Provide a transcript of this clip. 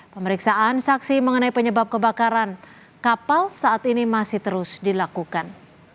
pemeriksaan saksi mengenai penyebab kebakaran kapal saat ini masih terus dilakukan